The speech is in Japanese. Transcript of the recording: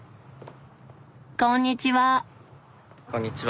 こんにちは！